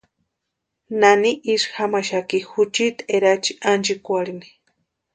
¿Nani isï jamaxaki juchiti erachi anchikwarhini?